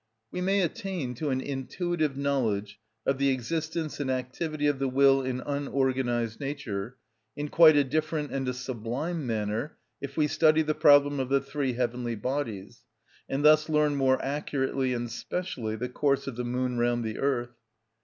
We may attain to an intuitive knowledge of the existence and activity of the will in unorganised nature in quite a different and a sublime manner if we study the problem of the three heavenly bodies, and thus learn more accurately and specially the course of the moon round the earth.